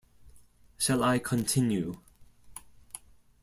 Shall I continue?